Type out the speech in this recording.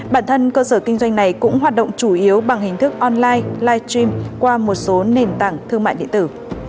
bản thân cơ sở kinh doanh này cũng hoạt động chủ yếu bằng hình thức online live stream qua một số nền tảng thương mại điện tử